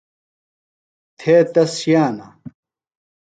تھے تس ݜِیانہ.